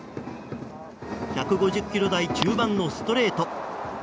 １５０キロ台中盤のストレート。